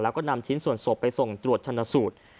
แล้วก็นำชิ้นส่วนศพไปส่งตรวจชนสูตร